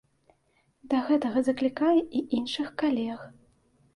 Да гэтага заклікае і іншых калег.